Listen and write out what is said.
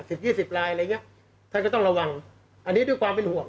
อันนี้ด้วยความเป็นห่วง